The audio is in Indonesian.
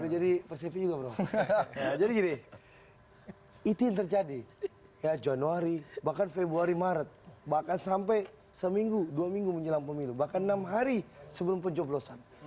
jadi spsp juga jadi gini itu yang terjadi ya januari bahkan februari maret bahkan sampai seminggu dua minggu menjelang pemilu bahkan enam hari sebelum pencoblosan